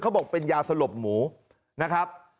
บอกเป็นยาสลบหมูนะครับ